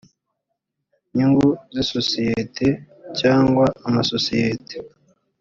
nyungu z isosiyete cyangwa amasosiyete